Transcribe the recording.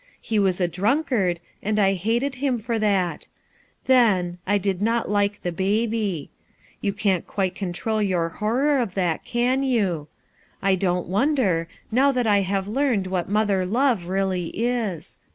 He was a drunkard, and I hated him for that. Then — I did not like the baby. You can't quite control your horror of that, can you? I don't wonder now that I have learned what mother love really is.